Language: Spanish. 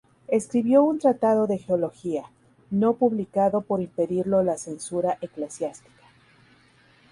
Escribió un "Tratado de geología", no publicado por impedirlo la censura eclesiástica.